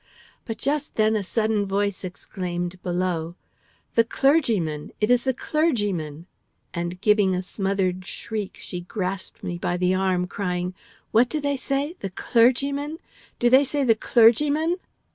But just then a sudden voice exclaimed below: "The clergyman! It is the clergyman!" And giving a smothered shriek, she grasped me by the arm, crying: "What do they say? 'The clergyman'? Do they say 'The clergyman'?"